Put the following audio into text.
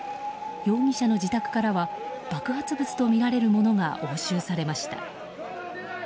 容疑者の自宅からは爆発物とみられるものが押収されました。